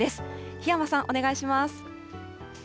檜山さん、お願いします。